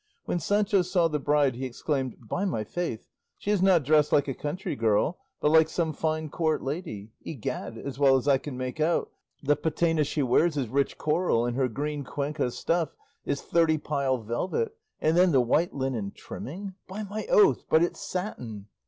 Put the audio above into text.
When Sancho saw the bride, he exclaimed, "By my faith, she is not dressed like a country girl, but like some fine court lady; egad, as well as I can make out, the patena she wears rich coral, and her green Cuenca stuff is thirty pile velvet; and then the white linen trimming by my oath, but it's satin!